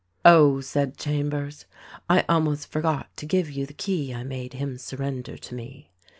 "Oh," said Chambers, "I almost forgot to give you the key I made him surrender to me."